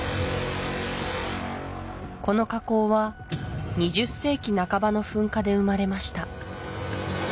この火口は２０世紀半ばの噴火で生まれました